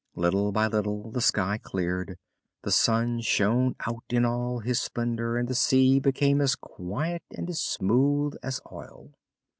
Little by little the sky cleared, the sun shone out in all his splendor, and the sea became as quiet and as smooth as oil.